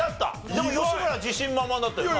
でも吉村は自信満々だったよな。